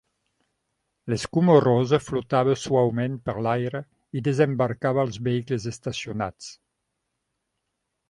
L'escuma rosa flotava suaument per l'aire i desembarcava als vehicles estacionats.